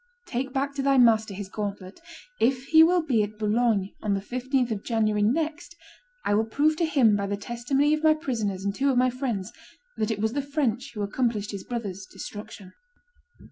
Take back to thy master his gauntlet; if he will be at Boulogne on the 15th of January next, I will prove to him by the testimony of my prisoners and two of my friends, that it was the French who accomplished his brother's destruction."